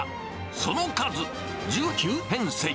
その数１９編成。